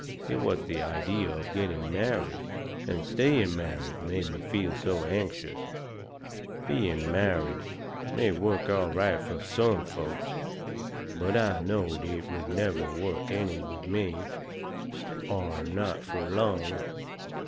It was the idea of getting married, and staying married, made me feel so anxious. Being married may work out all right fur some folks. But I knowed it never would work any with me. Or not fur long.